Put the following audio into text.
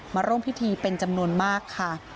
มาร่วมพิธีเป็นจำนวนมากค่ะ